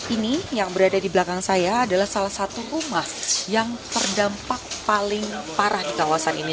ini yang berada di belakang saya adalah salah satu rumah yang terdampak paling parah di kawasan ini